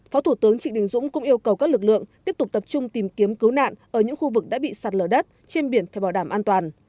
phó thủ tướng trịnh đình dũng cũng yêu cầu các lực lượng tiếp tục tập trung tìm kiếm cứu nạn ở những khu vực đã bị sạt lở đất trên biển phải bảo đảm an toàn